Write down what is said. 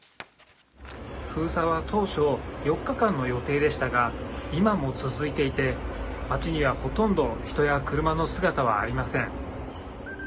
封鎖は当初、４日間の予定でしたが、今も続いていて、街にはほとんど人や車の姿はありません。